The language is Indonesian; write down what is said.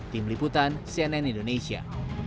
tim liputan cnn indonesia